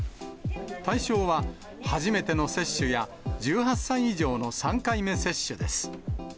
対象は初めての接種や１８歳以上の３回目接種です。